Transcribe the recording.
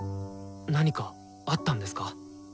何かあったんですか？